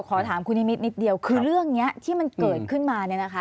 ขอถามคุณฮิมิตนิดเดียวคือเรื่องนี้ที่มันเกิดขึ้นมา